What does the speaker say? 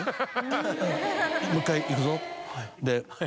「もう１回いくぞ」。